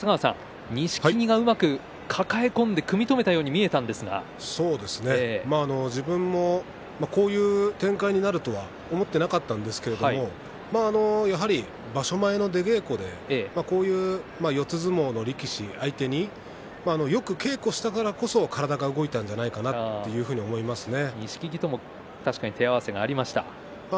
錦木がうまく抱え込んで自分もこういう展開になるとは思っていなかったんですけどやはり場所前の出稽古でこういう四つ相撲の力士相手によく稽古をしたからこそ体が動いたんじゃないかと錦木とも手合わせがありました。